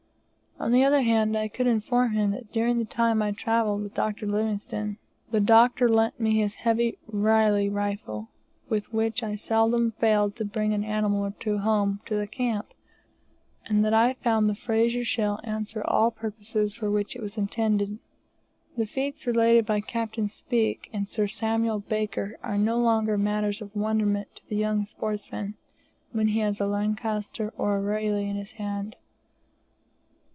On the other hand, I could inform him, that during the time I travelled with Dr. Livingstone the Doctor lent me his heavy Reilly rifle with which I seldom failed to bring an animal or two home to the camp, and that I found the Fraser shell answer all purposes for which it was intended. The feats related by Capt. Speke and Sir Samuel Baker are no longer matter of wonderment to the young sportsman, when he has a Lancaster or a Reilly in his hand.